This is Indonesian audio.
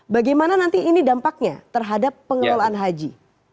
bagaimana nanti ini dampaknya terhadap pengelolaan haji